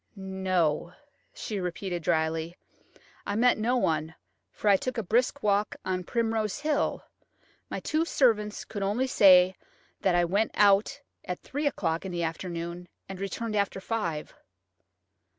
"No," she repeated dryly; 'I met no one, for I took a brisk walk on Primrose Hill. My two servants could only say that I went out at three o'clock that afternoon and returned after five."